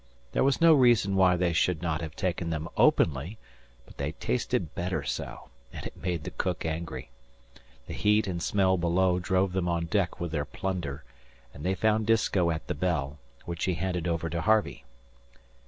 There was no reason why they should not have taken them openly; but they tasted better so, and it made the cook angry. The heat and smell below drove them on deck with their plunder, and they found Disko at the bell, which he handed over to Harvey.